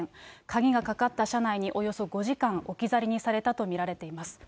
鍵がかかった車内に、およそ５時間、置き去りにされたと見られています。